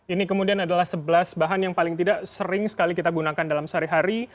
ini kemudian adalah sebelas bahan yang paling tidak sering sekali kita gunakan dalam sehari hari